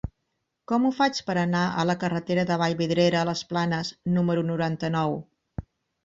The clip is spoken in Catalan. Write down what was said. Com ho faig per anar a la carretera de Vallvidrera a les Planes número noranta-nou?